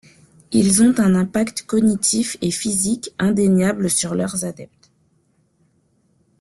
Ils ont un impact cognitif et physique indéniable sur leurs adeptes.